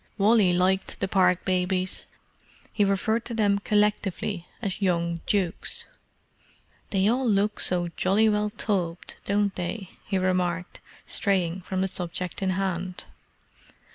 Wally liked the Park babies. He referred to them collectively as "young dukes." "They all look so jolly well tubbed, don't they?" he remarked, straying from the subject in hand.